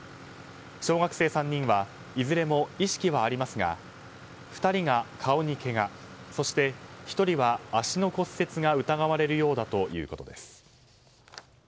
小学生３人はいずれも意識はありますが２人が顔にけが、そして１人は足の骨折が疑われるようだということです。